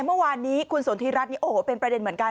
เมื่อวานนี้คุณสนทิรัฐนี่โอ้โหเป็นประเด็นเหมือนกัน